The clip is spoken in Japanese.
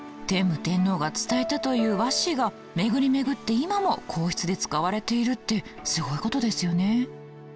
天武天皇が伝えたという和紙が巡り巡って今も皇室で使われているってすごいことですよね。